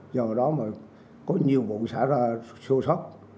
do đó mà có nhiều bộ xã ra xô xót